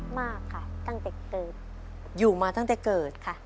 มากค่ะตั้งแต่เกิดอยู่มาตั้งแต่เกิดค่ะ